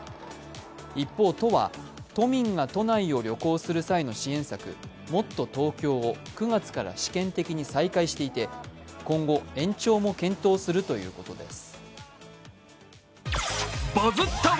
一方、都は都民が都内を旅行する際の支援策、もっとＴｏｋｙｏを９月から試験的に再開していて今後、延長も検討するということです。